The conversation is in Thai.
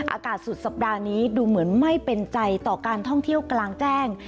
อากาศสุดสัปดาห์นี้ดูเหมือนไม่เป็นใจต่อการท่องเที่ยวกลางแจ้ง